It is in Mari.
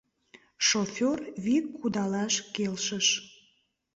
Шофёр вик кудалаш келшыш.